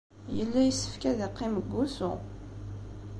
Yella yessefk ad yeqqim deg wusu.